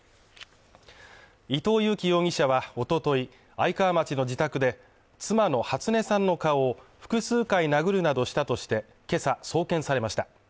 伊藤裕樹容疑者は、おととい、愛川町の自宅で妻の初音さんの顔を複数回殴るなどしたとしてけさ送検されました。